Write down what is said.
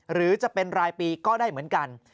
หรือจะเป็นรายปีก็ได้เหมือนกัน